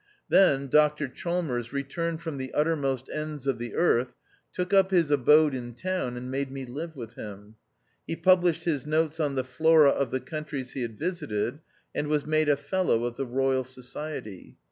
Then Dr Chalmers returned from the uttermost ends of the earth, took up his abode in town, and made me live with him. He published his notes on the Flora of the countries he had visited, and was made a Fellow of the Royal Society.